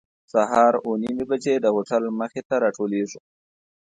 سهار اوه نیمې بجې د هوټل مخې ته راټولېږو.